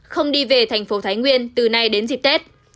không đi về thành phố thái nguyên từ nay đến dịp tết